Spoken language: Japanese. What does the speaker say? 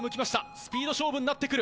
スピード勝負になってくる。